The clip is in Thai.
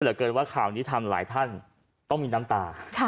เหลือเกินว่าข่าวนี้ทำหลายท่านต้องมีน้ำตา